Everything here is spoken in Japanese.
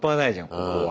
ここは。